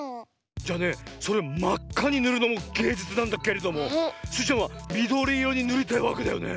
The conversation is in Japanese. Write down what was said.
じゃあねそれをまっかにぬるのもげいじゅつなんだけれどもスイちゃんはみどりいろにぬりたいわけだよね？